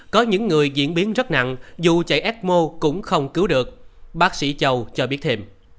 có những người diễn biến rất nặng dù chạy ecmo cũng không cứu được bác sĩ châu cho biết thêm